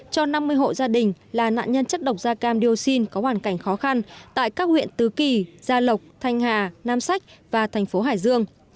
cho năm mươi hộ gia đình là nạn nhân chất độc da cam dioxin có hoàn cảnh khó khăn tại các huyện tứ kỳ gia lộc thanh hà nam sách và thành phố hải dương